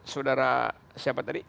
saudara siapa tadi